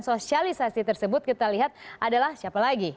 dan sosialisasi tersebut kita lihat adalah siapa lagi